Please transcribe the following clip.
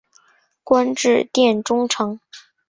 官至殿中丞。